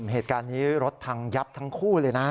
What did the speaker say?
เหตุการณ์นี้รถพังยับทั้งคู่เลยนะ